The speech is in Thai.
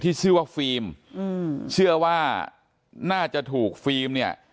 ชื่อว่าฟิล์มอืมเชื่อว่าน่าจะถูกฟิล์มเนี่ย